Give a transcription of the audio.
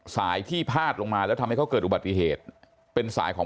สายที่พาดลงมาแล้วทำให้เขาเกิดอุบัติเหตุเป็นสายของ